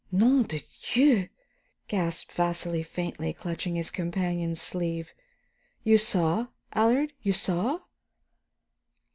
"Nom de Dieu!" gasped Vasili faintly, clutching his companion's sleeve. "You saw, Allard, you saw?"